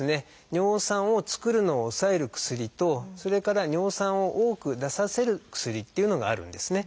尿酸を作るのを抑える薬とそれから尿酸を多く出させる薬というのがあるんですね。